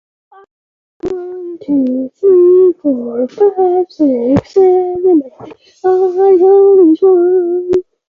The update has markedly improved the performance and stability of the system.